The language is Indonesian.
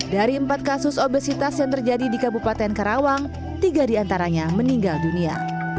dari empat kasus obesitas yang terjadi di kabupaten karawang tiga diantaranya meninggal dunia